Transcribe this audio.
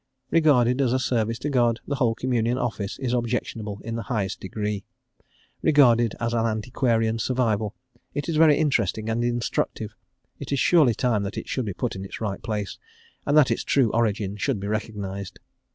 Regarded as a service to God, the whole Communion Office is objectionable in the highest degree; regarded as an antiquarian survival, it is very interesting and instructive; it is surely time that it should be put in its right place, and that its true origin should be recognised.